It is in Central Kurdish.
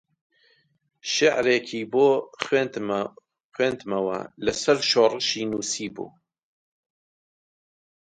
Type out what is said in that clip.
شیعرێکی بۆ خوێندمەوە لەسەر شۆڕشی نووسیبوو